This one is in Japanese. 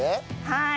はい。